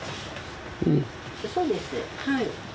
そうですはい。